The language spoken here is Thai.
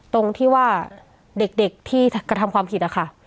ตรงที่ว่าเด็กที่กระทำความผิดอะค่ะ